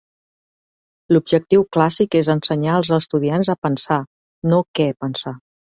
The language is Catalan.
L'objectiu Clàssic és ensenyar als estudiants a pensar, no què pensar.